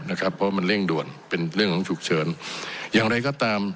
เพราะว่ามันเร่งด่วนเป็นเรื่องของฉุกเฉินอย่างไรก็ตาม